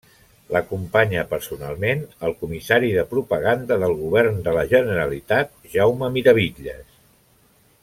L'acompanya personalment el comissari de Propaganda del Govern de la Generalitat Jaume Miravitlles.